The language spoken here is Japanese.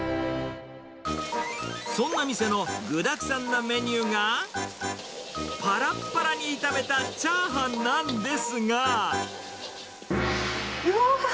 そんな店の具だくさんなメニューが、ぱらっぱらに炒めたチャーハうわー！